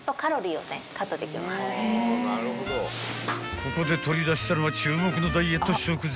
［ここで取り出したのは注目のダイエット食材］